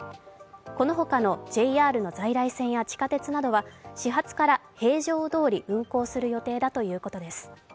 この他のＪＲの在来線や地下鉄などは始発から平常通り運行される予定だと言うことです。